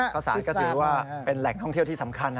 ข้าวสารก็ถือว่าเป็นแหล่งท่องเที่ยวที่สำคัญนะ